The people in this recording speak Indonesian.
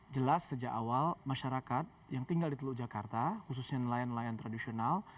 jelas sejak awal masyarakat yang tinggal di teluk jakarta khususnya nelayan nelayan tradisional